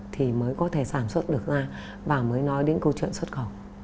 thì mới có thể sản xuất được ra và mới nói đến câu chuyện xuất khẩu